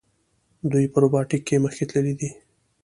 دوی په روباټیک کې مخکې تللي دي.